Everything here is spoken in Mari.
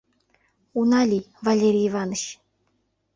— Уна лий, Валерий Иваныч!